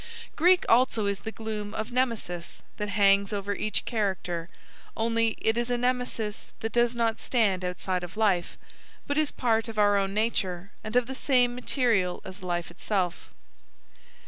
Greek also is the gloom of Nemesis that hangs over each character, only it is a Nemesis that does not stand outside of life, but is part of our own nature and of the same material as life itself.